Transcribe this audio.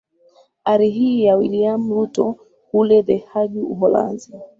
ari hii ya william ruto kule the hague uholanzi